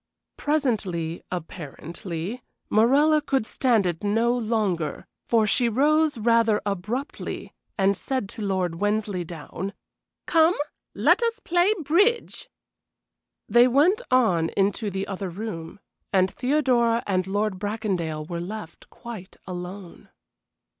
Presently, apparently, Morella could stand it no longer, for she rose rather abruptly and said to Lord Wensleydown: "Come, let us play bridge." They went on into the other room, and Theodora and Lord Bracondale were left quite alone.